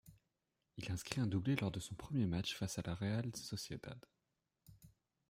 Il inscrit un doublé lors de son premier match face à la Real Sociedad.